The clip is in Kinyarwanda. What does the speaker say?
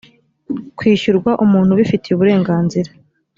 kwishyurwa umuntu ubifitiye uburenganzira